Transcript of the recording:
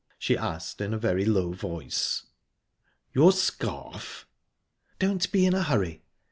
she asked in a very low voice. "Your scarf?" "Don't be in a hurry.